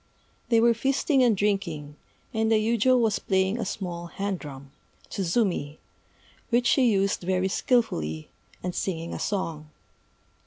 They were feasting and drinking; and the yujô was playing a small hand drum (tsuzumi), which she used very skilfully, and singing a song.